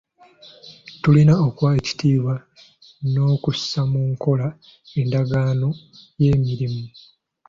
Tulina okuwa ekitiibwa n'okussa mu nkola endagaano y'emirembe.